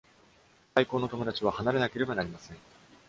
最高の友達は離れなければなりません。